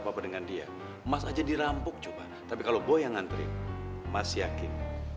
biar nanti dia yang beresin